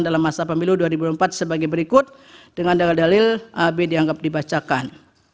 dalam masa pemilu dua ribu empat sebagai berikut dengan dalil dalil ab dianggap dibacakan